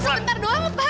sebentar doang pak